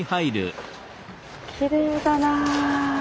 きれいだな。